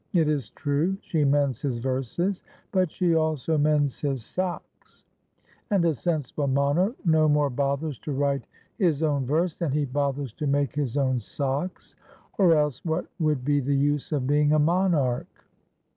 It is true she mends his verses, but she also mends his socks, and a sensible monarch no more bothers to write his own verse than he bothers to make his own socks, or else what would be 414 WHY OVID WAS BANISHED the use of being a monarch?